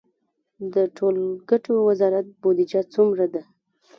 د ټولګټو وزارت بودیجه څومره ده؟